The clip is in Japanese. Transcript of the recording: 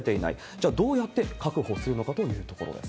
じゃあ、どうやって確保するのかというところです。